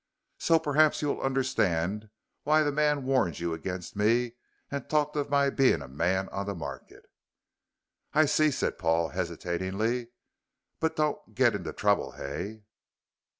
So perhaps you will understand why the man warned you against me and talked of my being a man on the market." "I see," said Paul, hesitating; "but don't get into trouble, Hay."